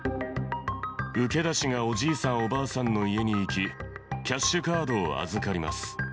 受け出しがおじいさん、おばあさんの家に行き、キャッシュカードを預かります。